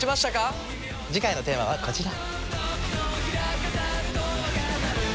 次回のテーマはこちら。